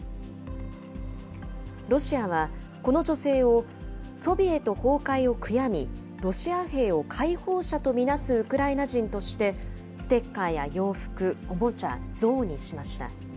ロシアはこの女性を、ソビエト崩壊を悔やみ、ロシア兵を解放者と見なすウクライナ人として、ステッカーや洋服、おもちゃ、像にしました。